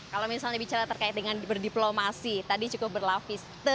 kalau misalnya bicara terkait dengan berdiplomasi tadi cukup berlapis